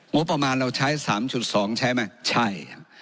งบประมาณเราใช้๓๒ใช้ไหมใช่